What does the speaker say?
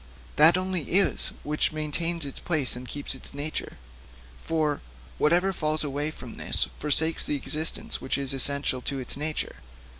That only is which maintains its place and keeps its nature; whatever falls away from this forsakes the existence which is essential to its nature.